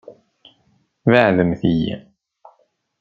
Beɛɛdemt-iyi!